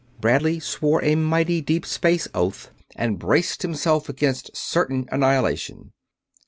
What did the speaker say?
Bradley swore a mighty deep space oath and braced himself against certain annihilation.